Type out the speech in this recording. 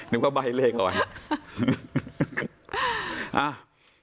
นึกว่าใบ้เลขเอาไว้